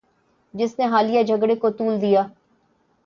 جس نے حالیہ جھگڑے کو طول دیا